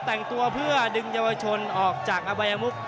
แต่งตัวเพื่อดึงเยาวชนออกจากอวัยมุก